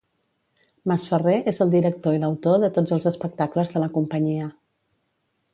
Masferrer és el director i l'autor de tots els espectacles de la companyia.